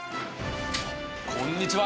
こんにちは！